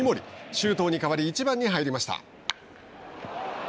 周東に代わり１番に入りました。